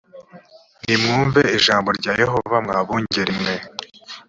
nimwumve ijambo rya yehova mwa bungeri mwe